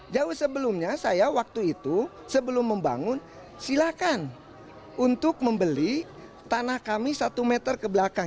jauh sebelumnya saya waktu itu sebelum membangun silakan untuk membeli tanah kami satu meter ke belakang